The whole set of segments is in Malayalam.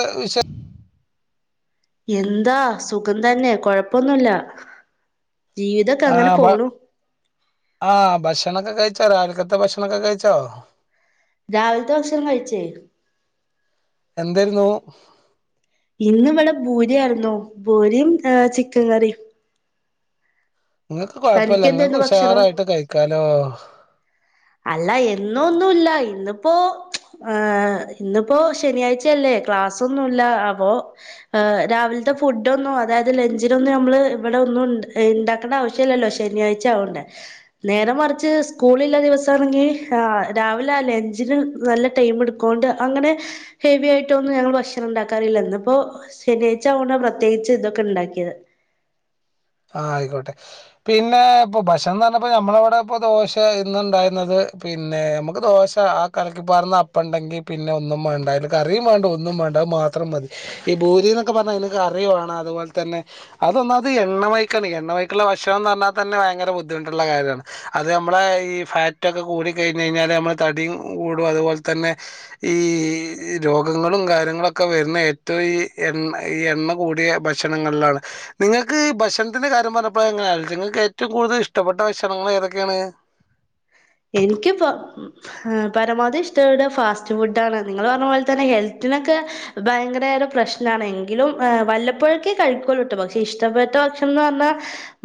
അ വിഷ എന്താ സുഖം തന്നെ കൊഴപ്പൊന്നുല്ല ജീവിതൊക്കെ അങ്ങനെ ആഹ് വ പോണു ആഹ് ഭക്ഷണമൊക്കെ കഴിച് ച്ചോ രാവിലക്കത്തെ ഭക്ഷണമൊക്കെ കഴിച്ചോ രാവിലത്തെ ഭക്ഷണം കഴിച്ചേയ് എന്തായിരുന്നു ഇന്ന് ഇവിടെ ബൂരി ആയിരുന്നു ബൂരിയും ഏ ചിക്കൻ കറിയും നിങ്ങക്ക് കൊഴപ്പില്ല നിങ്ങക്ക് തനിക്കെന്തേന്നു ഭക്ഷണം ഉഷാറായിട്ട് കഴിക്കാലോ അല്ല എന്നും ഒന്നുമില്ല ഇന്നിപ്പോ ഹ ഇന്നിപ്പോ ശനിയാഴ്ചയല്ലേ ക്ലാസ്സൊന്നുമില്ല അപ്പോ രാവിലത്തെ ഫുഡ് ഒന്നും അതായത് ലഞ്ചിനൊന്നും നമ്മള് ഇവിടെ ഒന്നും ഉണ്ടാ ഇണ്ടാക്കേണ്ട ആവശ്യമില്ലല്ലോ ശനിയാഴ്ച ആവോണ്ടേ നേര മറിച്ച് സ്കൂളിള്ള ദിവസം തുടങ്ങി ആ രാവിലെ ലഞ്ചിന് നല്ല ടൈം എടുക്കോണ്ട് അങ്ങനെ ഹെവി ആയിട്ട് ഒന്നും ഞങ്ങള് ഭക്ഷണം ഉണ്ടാക്കാറില്ല ഇന്നിപ്പോ ശനിയാഴ്ച ആവോണ്ട പ്രത്യേകിച്ച് ഇതൊക്കെ ഉണ്ടാക്കിയത് ആഹ് ആയിക്കോട്ടെ പിന്നെ ഇപ്പൊ ഭക്ഷണംന്ന് പറഞ്ഞപ്പോ ഞമ്മളവിടെ ഇപ്പ ദോശ ഇന്ന് ഉണ്ടായിരുന്നത് പിന്നെ നമുക്ക് ദോശ ആ കലക്കിപ്പാറുന്ന അപ്പം ഉണ്ടെങ്കി പിന്നെ ഒന്നും വേണ്ട അതിലക്ക് കറിയും വേണ്ട ഒന്നും വേണ്ട അത് മാത്രം മതി ഈ ബൂരി എന്നൊക്കെ പറഞ്ഞാൽ അതിലക്ക് കറി വേണം അതുപോലെ തന്നെ അതൊന്നാമത് എ എണ്ണമയക്കാണ് എണ്ണമയക്കുള്ള ഭക്ഷണം എന്ന് പറഞ്ഞാൽ തന്നെ ഭയങ്കര ബുദ്ധിമുട്ടുള്ള കാര്യണ് അത് നമ്മളെ ഈ ഫാറ്റൊക്കെ കൂടി കഴിഞ്ഞ് കഴിഞ്ഞാല് നമ്മളെ തടിയും കൂടും അതുപോലെ തന്നെ ഈ രോഗങ്ങളും കാര്യങ്ങളൊക്കെ വരുന്ന ഏറ്റവും ഈ എണ്ണ എണ്ണ കൂടിയ ഭക്ഷണങ്ങളിലാണ് നിങ്ങക്ക് നിക്ക് ഭക്ഷണത്തിന്റെ കാര്യം പറഞ്ഞപ്പോഴ എങ്ങനെയങ്ങൾക്ക് ഏറ്റവും കൂടുതൽ ഇഷ്ടപ്പെട്ട ഭക്ഷണങ്ങൾ ഏതൊക്കെയാണ് എനിക്ക്പ്പോ പരമാവധി ഇഷ്ടപ്പെട്ട ഫാസ്റ്റ് ഫുഡ ആണ് നിങ്ങൾ പറഞ്ഞ പോലെ തന്നെ ഹെൽത്തിനൊക്കെ ഭയങ്കരേറെ പ്രശ്നമാണ് എങ്കിലും വല്ലപ്പോഴക്കേ കഴിക്കൊള്ളൂട്ടോ പക്ഷെ ഇഷ്ടപ്പെട്ട ഭക്ഷണം എന്ന് പറഞ്ഞാൽ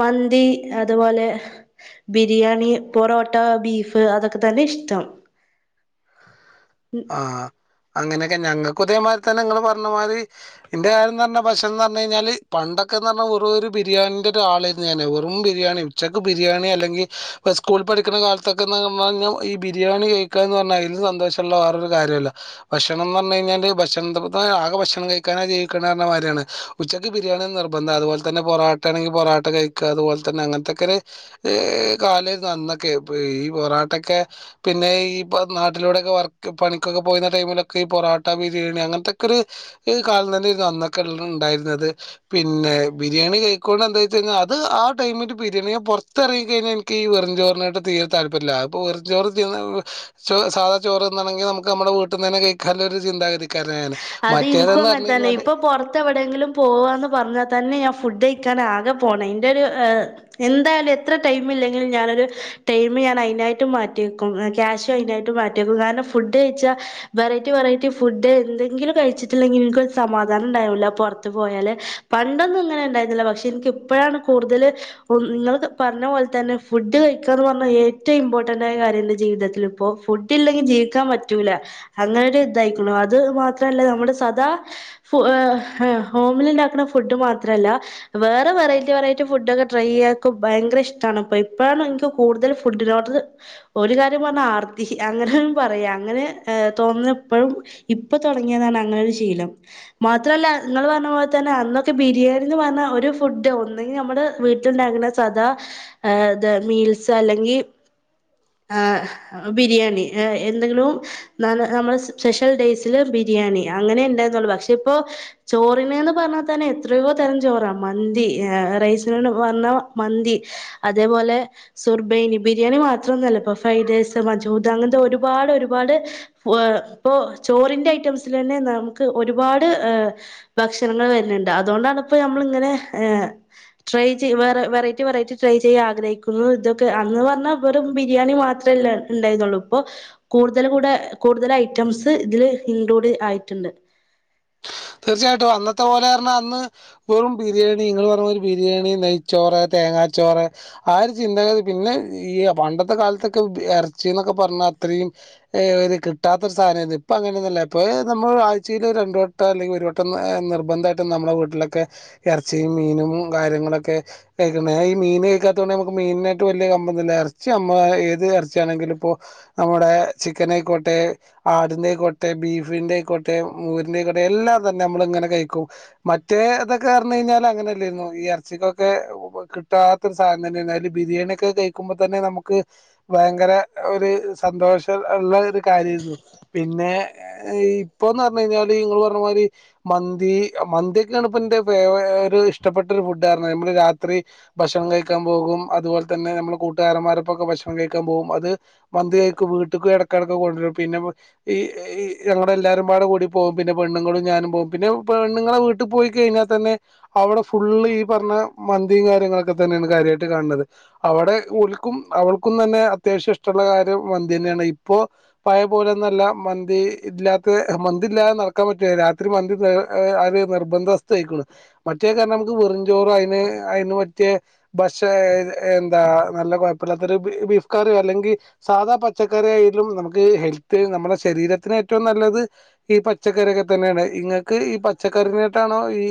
മന്തി അതുപോലെ ബിരിയാണി പൊറോട്ട ട്ട ബീഫ് അതൊക്കെ തന്നെ ഇഷ്ടം ആ അങ്ങനെയൊക്കെ ഞങ്ങൾക്കുതേമാതിരി തന്നെ നിങ്ങള് പറഞ്ഞ മാതിരി എന്റെ കാര്യം പറഞ്ഞ ഭക്ഷണം എന്ന് പറഞ്ഞ് കഴിഞ്ഞാല് പണ്ടൊക്കെന്ന് പറഞ്ഞാൽ വെറൊരു ബിരിയാണിന്റെ ഒരാളായിരുന്നു ഞാൻ വെറും ബിരിയാണി ഉച്ചക്ക് ബിരിയാണി അല്ലെങ്ക ഇ സ്കൂള പഠിക്കുന്ന കാലത്തൊക്കെന്ന് പറഞ്ഞ് കഴിഞ്ഞ ഈ ബിരിയാണി കഴിക്കാന്നു പറഞ് കഴിഞ്ഞ അതിലും സന്തോഷം ള്ള വേറൊരു കാര്യമല്ല ഭക്ഷണംന്ന് പറഞ്ഞു കഴിഞ്ഞാല് ഭക്ഷണ ആകെ ഭക്ഷണം കഴിക്കാനാ ജീവിക്കണ പറഞ്ഞ കാര്യാണ് ഉച്ചക്ക് ബിരിയാണി നിർബന്ധം അതുപോലെ തന്നെ പൊറാട്ട ആണെങ്കിൽ പൊറാട്ട കഴിക്കുക അതുപോലെ തന്നെ അങ്ങനത്തെക്കെരു കാലായിരുന്നു അന്നൊക്കെ ഈ പൊറാട്ടൊക്കെ പിന്നെ ഈ നാട്ടിലൂടൊക്കെ പണിക്കൊക്കെ പോയിന്ന ടൈമിലൊക്കെ ഈ പൊറോട്ട ബിരിയാണി അങ്ങനത്തൊക്കെ ഒരു കാലം തന്നെ അന്നൊക്കെ ഉള്ള ഉണ്ടായിരുന്നത് പിന്നെ ബിരിയാണി കഴിക്കോണ്ട് എന്താച്ചഴിഞ്ഞാൽ അത് ആ ടൈമില് ബിരിയാണിയെ പുറത്തിറങ്ങ കഴിഞ്ഞാൽ എനിക്ക് ഈ വെറും ചോറിനായിട്ട തീരെ താല്പര്യല്ല അപ്പൊ വെറുംചോറ് തിന്ന സാധാ ചോറ് ങ്കിൽ നമുക്ക് നമ്മുടെ വീട്ടുന്നെന്നെ കഴിക്കലോ ഒരു ചന്താഗതി അത് ഇനിക്കും അങ്ങനെ തന്നെ ഇപ്പൊ പുറത്ത് എവിടെയെങ്കിലും പോവാന്ന് പറഞ്ഞാൽ തന്നെ ഞ ഫുഡ് കഴിക്കാൻ ആകെ പോണം എന്റെറെ ഒരു എന്തായാലും എത്ര ടൈം ഇല്ലെങ്കിലും ഞാനൊരു ടൈം അതിനായിട്ട് മാറ്റിവെക്കും ക്യാഷും അതിനായിട്ടും മാറ്റിവ വക്കും കാരണം ഫുഡ് കഴിച്ചാൽ വെറൈറ്റി വെറൈറ്റി ഫുഡ് എ ങ്കിലും കഴിച്ചിട്ടില്ലെങ്കിൽ ഇൻക്കൊരു സമാധാനം ഉണ്ടാവൂല്ല പുറത്ത് പോയാല് പണ്ടൊന്നും ഇങ്ങനെ ഉണ്ടായിരുന്നില്ല പക്ഷെ എനിക്ക് ഇപ്പോഴാണ് കൂടുതൽ നിങ്ങള് പറഞ്ഞ പോലെ തന്നെ ഫുഡ് കഴിക്കാന്ന് പറഞ്ഞാ ഏറ്റവും ഇമ്പോർട്ടന്റ് ആയ കാര്യം എന്റെ ജീവിതത്തിൽ ഇപ്പോ ഫുഡ് ഇല്ലെങ്കിൽ ജീവിക്കാൻ പറ്റൂല അങ്ങനെ ഒരു ഇതായിരിക്കണു അത് മാ ത്രല്ല നമ്മുടെ സദാ ഫു ഏ ഹോമിൽ ഉണ്ടാക്കണ ഫുഡ് മാത്രല്ല വേറെ വെറൈറ്റി വെറൈറ്റി ഫുഡക്കെ ട്രൈ ചെയ്യക്കെ ഭയങ്കര ഇഷ്ടണ് ഇപ്പ ഇപ്പോഴാണ് എനിക്ക് കൂടുതൽ ഫുഡിനോട് ഒരു കാര്യം പറഞ്ഞ ആർത്തി അങ്ങനെ പറയാ അങ്ങനെ തോന്നുന്ന ഇപ്പഴും ഇപ്പ തുടങ്ങിയതാണ് അങ്ങനെ ഒരു ശീലം മാത്രമല്ല നിങ്ങൾ പറഞ്ഞ പോലെ തന്നെ അന്നൊക്കെ ബിരിയാണിന്ന് പറഞ്ഞ ഒരു ഫുഡ് ഒന്നെങ്കിൽ നമ്മുടെ വീട്ടിലുണ്ടാക്കുന്ന സദാ മീൽസ് അല്ലെങ്കിൽ ഏ ബിരിയാണി എന്തെങ്കിലും നമ്മ സ്പെഷ്യൽ ഡേയ്‌സ് ത്തില് ബിരിയാണി അങ്ങനെ ഇണ്ടന്നുള്ളു പക്ഷെ ഇപ്പോ ചോറിനന്ന് പറഞ്ഞാൽ തന്നെ എത്രയോ തരം ചോറാ മന്തി റൈസിനന്ന് പറഞ്ഞാ മന്തി അതേപോലെ സുർബെനി ബിരിണി മാ ത്രൊന്നല്ല ഇപ്പൊ ഫ്രൈഡേഴ്സ് മജൂദ് അങ്ങനത്തെ ഒരുപാട് ഒരുപാട് പ്പോ ഇപ്പൊ ചോറിന്റെ ഐറ്റംസിൽ തന്നെ നമുക്ക് ഒരുപാട് ഹ് ഭക്ഷണങ്ങൾ വരുന്നുണ്ട് അതുകൊണ്ടാണ് ഇപ്പോ നമ്മൾ ഇങ്ങനെ ഏ ട്രൈ ചെയ വറെ വെറൈറ്റി വെറൈറ്റി ട്രൈ ചെയ്യാൻ ആഗ്രഹിക്കുന്നു ഇതൊക്കെ അന്ന് പറഞ്ഞാൽ വെറും ബിരിയാണി മാത്രല്ല ഉണ്ടായിരുന്നുള്ളൂ ഇപ്പൊ കൂടുതൽ കൂടെ കൂടുതൽ ഐറ്റംസ് ഇതില് ഇൻക്ലൂഡ് ആയിട്ടുണ്ട് തീർച്ചയായിട്ടും അന്നത്തെ പോലെ ർഞ്ഞ അന്ന് വെറും ബിരിയാണി നിങ്ങള് പറഞ്ഞ മാതിരി ബിരിയാണി നെയ്ച്ചോറ് തേങ്ങാച്ചോറ് ആ ഒരു ചിന്താഗതി പിന്നെ ഈ പണ്ടത്തെ കാലത്തൊക്കെ ഇറച്ചി എന്നൊക്കെ പറഞ്ഞാ അത്രയും ഒരു കിട്ടാത്തൊരു സാധനായിരുന്നു ഇപ്പൊ അങ്ങനെയന്നല്ല ഇപ്പ നമ്മള് ആഴ്ചയില് രണ്ട് വട്ട ല്ലെങ്കിൽ ഒരു വട്ടം നിർബന്ധായിട്ട് നമ്മളെ വീട്ടിലൊക്കെ എറച്ചിയും, മീനും കാര്യങ്ങളൊക്കെ കഴിക്കുന്നെ ഈ മീൻ കഴിക്കാത്തകൊണ്ട നമുക്ക് മീനായിട്ട് വലിയ കമ്പന്നുല്ല എറച്ചി നമ്മ ഏത് ഇറച്ചിയാണെങ്കില ഇപ്പോ നമ്മുടെ ചിക്കൻ ആയിക്കോട്ടെ ആടിൻന്റെ ആയിക്കോട്ടെ ബീഫിന്റെ ആയിക്കോട്ടെ മൂരിന്റെ ആയിക്ക എല്ലാം തന്നെ നമ്മള് ഇങ്ങനെ കഴിക്കും മറ്റേ ഇതൊക്കെ പറഞ്ഞ ഴിഞ്ഞാല് അങ്ങനെല്ലരുന്നു ഈ ഇറച്ചികൊക്കെ കിട്ടാത്ത ഒരു സാധനം തന്നെയനിം ബിരിയാണി ഒക്കെ കഴിക്കുമ്പോ തന്നെ നമക്ക് ഭയങ്കര ഒരു സന്തോഷം ഉള്ള ഒരു കാര്യയിരുന്നു പിന്നെ ഇപ്പൊന്ന് പറഞ്ഞ കഴിഞ്ഞാല് രി മന്തി മന്തിയൊക്കെയാണ് ഇപ്പോ എന്റെ ഒരു ഇഷ്ടപ്പെട്ട ഒരു ഫുഡ് നമ്മള് രാത്രി ഭക്ഷണം കഴിക്കാൻ പോകും അതുപോലെ തന്നെ നമ്മളെ കൂട്ടുകാരന്മാരൊക്കെ ഭക്ഷണം കഴിക്കാൻ പോകും അത് മന്തി കഴിക്കും അത് വീട്ട്ക്കും എ ടക്കെടക്ക് ക്കൊണ്ടുവരും പിന്നെ ഈ ഞങ്ങളടെ എല്ലാവാരുംപാട കൂടി പോകും പിന്നെ പെണ്ണുങ്ങളും ഞാനും പോകും പിന്നെ പെണ്ണുങ്ങളെ വീട്ടിൽ പോയി കഴിഞ്ഞാൽ തന്നെ അവിടെ ഫുള്ള് ഈ പറഞ്ഞ മന്തിയും കാര്യങ്ങളൊക്കെ തന്നെയാണ് കാര്യയിട്ട് കാണുന്നത് അവിടെ ഓൽക്കും, അവൾക്കും തന്നെ അത്യാവശ്യം ഇഷ്ടള്ള കാര്യം മന്തി തന്നെയാണ് ഇപ്പോ പഴ പോലെന്നല്ല മന്തി ഇല്ലാത്ത മന്തി ഇല്ലാതെ നട ക്കാൻ പറ്റ രാത്രി മന്തി ഒരു നിർബന്ധസ്ഥ ആയിക്കണു മറ്റേ കാരണം നമുക്ക് വെറുംഞ്ചോറ അതിന് അതിന് പറ്റേ ഭക്ഷ എന്താ നല്ല കുഴപ്പല്ലാത്തൊരു ബീഫ് കറിയോ അല്ലെങ്കിൽ സാധാ പച്ചക്കറി ആയാലും നമുക്ക് ഹെൽത്ത് നമ്മുടെ ശരീരത്തിന് ഏറ്റവും നല്ലത് ഈ പ പച്ചക്കറൊക്കെ തന്നെയാണ് ഇങ്ങക്ക് ഈ പച്ചക്കറിനോട്ടാണോ ഈ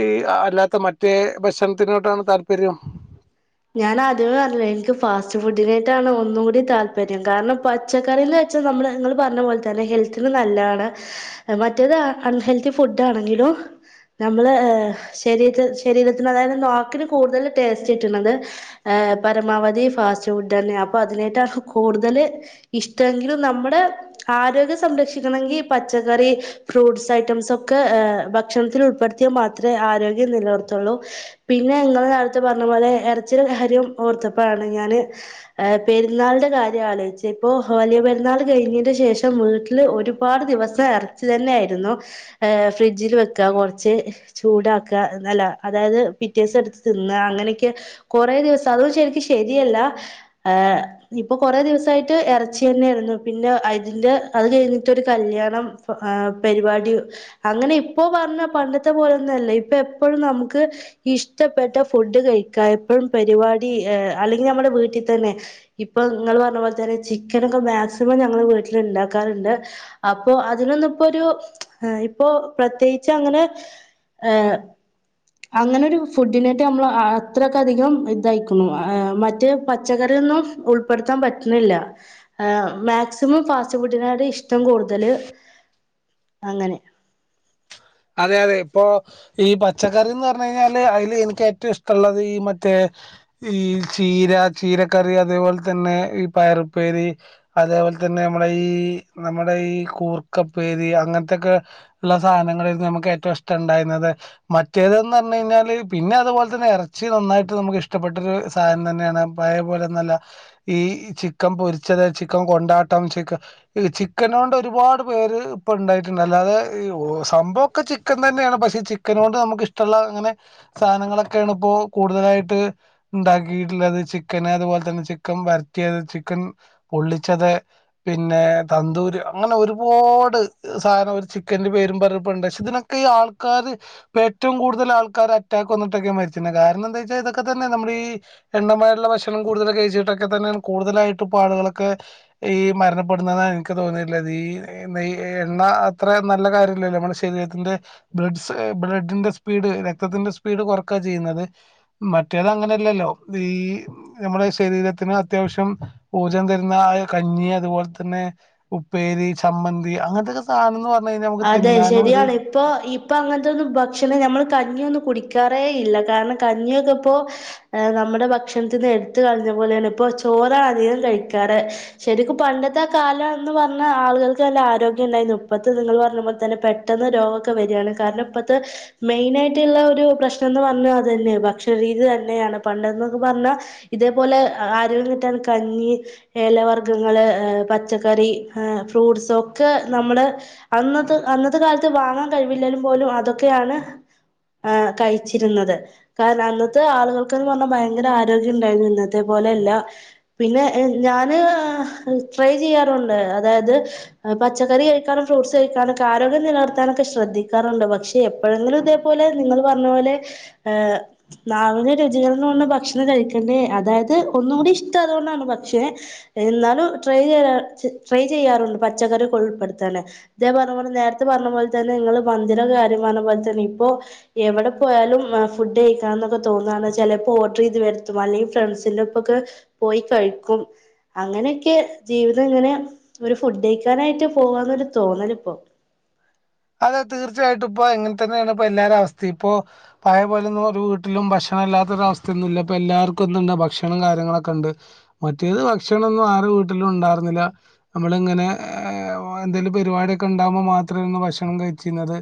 ഈ അല്ലാത്ത മറ്റേ ഭക്ഷണത്തിനോട്ടാണോ താല്പര്യം ഞാൻ ആദ്യമേ അർഞ്ഞ എനിക്ക് ഫാസ്റ്റ് ഫുഡിനായിട്ടാണ് ഒന്നും കൂടി താല്പര്യം കാരണം പച്ചക്കറിന്ന് വെച്ചാൽ നമ്മള് നിങ്ങള് പറഞ്ഞ പോലെ തന്നെ ഹെൽത്തിന് നല്ലതാണ് മറ്റേത് അൺഹെൽത്തി ഫുഡ് ആണെങ്കിലും നമ്മള് ശരീരത്തി ശരീരത്തിന് അതായത് നാക്കിന് കൂടുതൽ ടേസ്റ്റ് കിട്ടുന്നത് ഏ പരമാവധി ഫാസ്റ്റ് ഫുഡ് തന്നെ അപ്പൊ അതിനായിട്ടാണ് കൂടുതല് ഇഷ്ടമെങ്കിലും നമ്മുടെ ആരോഗ്യം സംരക്ഷിക്കണമെങ്കി പച്ചക്കറി, ഫ്രൂട്ട്സ് ഐറ്റംസ് ഒക്കെ ഭക്ഷണത്തിൽ ഉൾപ്പെടുത്തിയാൽ മാത്രമേ ആരോഗ്യം നിലനിർത്തുള്ളൂ പിന്നെ നിങ്ങൾ നേരത്തെ പറഞ്ഞ പോലെ എറ ചിടെ കാര്യം ഓർത്തപ്പോയാണ് ഞാന് പെരുന്നാളിന്റെ കാര്യം ആലോചിച്ച ഇപ്പൊ വലിയ പെരുന്നാൾ കഴിഞ്ഞിന്റെ ശേഷം വീട്ടില് ഒരുപാട് ദിവസം എറച്ചി തന്നെ ആയിരുന്നു ഫ്രിഡ്ജിൽ വെക്കുക കുറച്ച് ചൂടാക്കുക എന്നല്ല അതായത് പിറ്റേിവസം എടുത്ത് തിന്ന അങ്ങനെയൊക്കെ കൊറെ ദിവസം അത ശരിക്കും ശരിയല്ല ഇപ്പൊ കൊറെ ദിവസായിട്ട് എറച്ചി തന്നെയായിരുന്നു പിന്നെ അതിന്റെ അത് കഴിഞ്ഞിട്ട് ഒരു കല്യാണം പരിപാടി അങ്ങനെ ഇപ്പോ പറഞ്ഞ പണ്ടത്തെ പോലൊന്നല്ല ഇപ്പ എപ്പഴും നമുക്ക് ഇഷ്ടപ്പെട്ട ഫുഡ് കഴിക്കാ ഇപ്പം പരിപാടി അല്ലെങ്കിൽ നമ്മുടെ വീട്ടിൽ തന്നെ ഇപ്പൊ നിങ്ങൾ പറഞ്ഞ പോലെ തന്നെ ചിക്കനൊക്കെ മാക്സിമം ഞങ്ങളുടെ വീട്ടിൽ ഉണ്ടാക്കാറുണ്ട് അപ്പോ അതിനൊന്നിപ്പോ ഒരു ഇപ്പോ പ്രത്യേകിച്ച് അങ്ങനെ അങ്ങനെ ഒരു ഫുഡിനായിട്ട് നമ്മൾ അത്ര അധികം ഇതായിക്കുന്നു മറ്റ പച്ചക്കറിയൊന്നും ഉൾപ്പെടുത്താൻ പറ്റുന്നില്ല മാക്സിമം ഫാസ്റ്റ് ഫുഡിനോട്‌ ഇഷ്ടം കൂടുതല് അങ്ങനെ. അതെ അതെ ഇപ്പൊ ഈ പച്ചക്കറിന്ന് പറഞ്ഞു കഴിഞ്ഞാല് അതിൽ എനിക്ക് ഏറ്റവും ഇഷ്ടമുള്ളത് ഈ മറ്റേ ഈ ചീര ചീരക്കറി അതേപോലെ തന്നെ ഈ പയറുപ്പേരി അതേപോലെ തന്നെ നമ്മടെ ഈ നമ്മുടെ ഈ കൂർക്കപ്പേരി അങ്ങനത്തൊക്കെ ഉള്ള സാധനങ്ങ നമുക്ക് ഏറ്റവും ഇഷ്ടം ഉണ്ടായിരുന്നത്. മറ്റേതന്ന് പറഞ്ഞഞ് കഴിഞ്ഞാൽ പിന്നെ അതുപോലെ തന്നെ ഇറച്ചി നന്നായിട്ട് നമുക്ക് ഇഷ്ടപ്പെട്ട ഒരു സാധനം തന്നെയാണ് പഴേപോലെന്നുമല്ല ഈ ചിക്കൻ പൊരിച്ചത് ചിക്കൻ കൊണ്ടാട്ടം ച ചിക്കന കൊണ്ട് ഒരുപാട് പേര് ഇപ്പൊ ഉണ്ടായിട്ടുണ്ട് അല്ലാതെ സംഭവം ഒക്കെ ചിക്കൻ തന്നെയാണ് പക്ഷെ ചിക്കനോട്‌ നമുക്ക് ഇഷ്ടമുള്ള അങ്ങനെ സാധനങ്ങളൊക്കെയാണ് ഇപ്പോൾ കൂടുതലായിട്ട് ഉണ്ടാക്കിയിട്ടുള്ളത്. ചിക്കന് അതുപോലെ തന്നെ ചിക്കൻ വരറ്റിയത്, ചിക്കൻ പൊള്ളിച്ചത്, പിന്നെ തന്തൂര് അങ്ങനെ ഒരുപാട് സാധനം ഒരു ചിക്കന്റെ പേരും പറഞ്ഞുപ്പണ്ട്. ഇതിനൊക്കെ ഈ ആൾക്കാര് പ്പ ഏറ്റവും കൂടുതൽ ആൾക്കാര് അറ്റക്ക് വന്നിട്ടൊക്കെ മരിച്ച് ണത് കാരണം എന്താ വെച്ചാൽ ഇതൊക്കെ തന്നെ നമ്മടെ ഈ എണ്ണമയമുള്ള ഭക്ഷണം കൂടുതലൊക്കെ കഴിച്ചിട്ടൊക്കെ തന്നെയാണ് കൂടുതലായിട്ട് ഇപ്പൊ ആളുകളൊക്കെ ഈ മരണപ്പെടുന്നതാണ് എനിക്ക് തോന്നീല്ലത് ഈ നെ എണ്ണ അത്ര നല്ല കാര്യമല്ലല്ലോ നമ്മളെ ശ ശരീരത്തിന്റെ ബ്ലഡ്സ് ബ്ലഡിന്റെ സ്പീഡ് രക്തത്തിന്റെ സ്പീഡ് കുറക്ക ചെയ്യുന്നത് മറ്റേത് അങ്ങനെയല്ലല്ലോ ഈ നമ്മുടെ ശരീരത്തിന് അത്യാവശ്യം ഊർജം തരുന്ന കഞ്ഞി അതുപോലെ തന്നെ ഉപ്പേരി, ചമ്മന്തി അങ്ങനത്തെൊക്കെ സാധനംന്ന് പറഞ്ഞാ നമക്ക് തിന്നാനും അതാണ് ഇപ്പൊ ഇപ്പ അങ്ങൻത്തൊ ന്നു ഭക്ഷണം നമ്മള് കഞ്ഞിയൊന്നും കുടി ക്കാറെ ഇല്ല. കാരണം കഞ്ഞിയൊക്കെ ഇപ്പോ നമ്മുടെ ഭക്ഷണത്തിന്ന് എട്ത്ത് കളഞ്ഞ പോലെയാണ് ഇപ്പോ ചോറാണ് അധികം കഴിക്കാറ് ശെ രിക്കും പണ്ടത്തെ കാലന്ന് പറഞ്ഞാൽ ആള്കൾക്ക് ആരോഗ്യണ്ടായിനു ഇപ്പത്തെ നിങ്ങൾ പറ അത് പോലെ തന്നെ പെട്ടെന്ന് രോഗക്കെ വെര് ആണ്. കാരണം ഇപ്പത്തെ മെയിന് ആയിട്ട്ള്ള ഒരു പ്രശ്നം ന്ന് പറഞ്ഞ അതന്നെ ഭക്ഷണരീതി തന്നെയാണ് പണ്ട ന്നെത് പറഞ്ഞാൽ ഇതേപോലെ ആരോഗ്യം കിട്ടാൻ കഞ്ഞി, എലവർഗ്ഗങ്ങള്, പച്ചക്കറി, ഹെ ഫ്രൂട്ട്സ് ഒക്കെ നമ്മള് അന്നത്തെ അന്നത്തെ കാലത്ത് വാങ്ങാൻ കഴിവില്ലെലും പോലും അതൊക്കെയാണ് എ കഴിച്ചിരുന്നത്. കാരണം അന്നത്തെ ആളുകൾക്കന്ന് പറഞ്ഞാൽ ഭയങ്കര ആരോഗ്യം ഇ ണ്ടായിരുന്നു. ഇന്നത്തെ പോലെയല്ല പിന്നെ ഞാന് ട്രൈ ചെയ്യാറുണ്ട് അതായത് പച്ചക്കറി കഴിക്കാനും ഫ്രൂട്സ് കഴിക്കാനൊക്കെ ആരോഗ്യം നിലർത്താനൊക്കെ ശ്രദ്ധിക്കാറുണ്ട്. പക്ഷെ എപ്പോഴെങ്കിലും ഇതേപോലെ നിങ്ങള് പറഞ്ഞ പോലെ ഏ നാവിലെ രുചികൾന്ന് പറഞ്ഞ ഭക്ഷണം കഴിക്കണ്ടേ അതായത് ഒന്നും കൂടി ഇഷ്ടായതോണ്ടാണ് പക്ഷെ എന്നാലും ട്രൈ ചെയ്യാ ട്രൈ ചെയ്യാറുണ്ട് പച്ചക്കറി ഉൾപ്പെടുത്താന്, ഇതെ പറഞ്ഞ പോലെ നേരത്തെ പറഞ്ഞ പോലെ തന്നെ നിങ്ങള് മന്തിടെ കാര്യം പറഞ്ഞ പോലെ തന്നെ ഇപ്പോ എവിടെ പോയാലും ഫുഡ് കഴിക്കാ ന്നൊക്കെ തോന്നു ആണ് ചെലപ്പ ഓഡർയ്ത് വരുത്തും അല്ലെങ്കിൽ ഫ്രണ്ട്സിന്റെപ്പക്കെ പോയി കഴിക്കും. അങ്ങനെയൊക്കെ ജീവിതം ഇങ്ങനെ ഒരു ഫുഡ് കഴിക്കാനായിട്ട് പോവാന്നൊ രു തോന്നലിപ്പം അതെ തീർച്ചയായിട്ടും ഇപ്പൊ എങ്ങൻ തന്നെയാണ് ഇപ്പോ എല്ലാരെ അവസ്ഥി ഇപ്പോ പഴേ പോലൊന്നും ഒരു വീട്ടിലും ഭക്ഷണല്ലാത്തൊ ഒരു അവസ്ഥയൊന്നുല്ല ഇപ്പ എല്ലാർക്കും എന്തുണ്ട് ഭക്ഷണം കാര്യങ്ങളൊക്കെ ഇ ണ്ട്. മറ്റേത് ഭക്ഷണൊന്നും ആരു വീട്ടിലും ഇണ്ടായിരന്നില്ല നമ്മള് ഇങ്ങനെ എന്തേലും പെരി വാടിയൊക്കെ ഇണ്ടാവ്മ്പോ മാത്രേന്നു ഭക്ഷ ണം കഴിച്ചീനത്.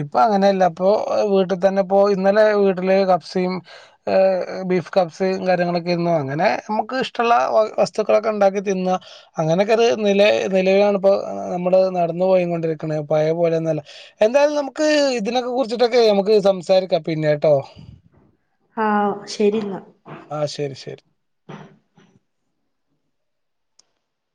ഇപ്പ അങ്ങനെയല്ല ഇപ്പോ വീട്ടിൽ തന്നെ ഇപ്പോ ഇന്നലെ വീട്ടില് കപ്സയും ബീഫ് കപ്സയും കാര്യങ്ങളൊക്കെര്ന്നു. അങ്ങനെ നമുക്ക് ഇഷ്ടള്ള വസ്തുക്കളൊക്കെ ഇണ്ടാക്കി തിന്ന് അങ്ങനെയൊക്കെര് നിലെ നിലവിലാണിപ്പോ നമ്മള് നടന്ന പോയികൊണ്ടിരിക്ക്ണെ പോലെന്നല്ല. എന്തായാലും നമുക്ക് ഇതിനൊക്കെ കുറിച്ചിട്ടൊക്കെ നമുക്ക് സംസാരിക്കാം പിന്നെട്ടോ ആ ശെരിന്ന ആ ശരി ശരി